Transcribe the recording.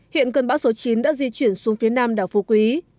hiện cơn bão số chín đã di chuyển xuống phía nam đảo phú quý